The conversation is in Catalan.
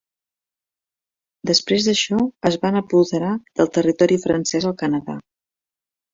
Després d'això, es van apoderar del territori francès al Canadà.